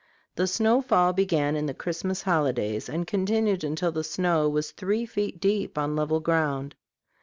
The snowfall began in the Christmas holidays and continued until the snow was three feet deep on level ground.